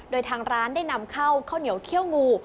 โดยทางร้านได้นำเข้าข้าวเหนียวเขี้ยวงู